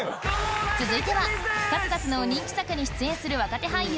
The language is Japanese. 続いては数々の人気作に出演する若手俳優